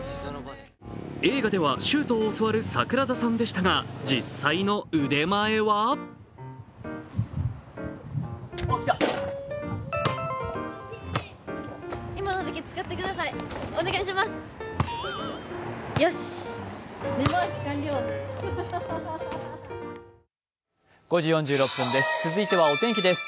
映画ではシュートを教わる桜田さんでしたが実際の腕前は続いてはお天気です。